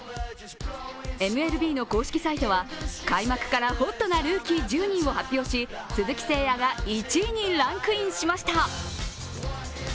ＭＬＢの公式サイトは開幕からホットなルーキー１０人を発表し鈴木誠也が１位にランクインしました。